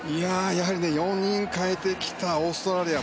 やはり、４人代えてきたオーストラリア。